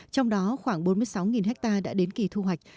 trong đó khoảng bốn mươi sáu ha đã đến kỳ thu hoạch